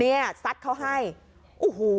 นี่สัดเขาให้โอ้โห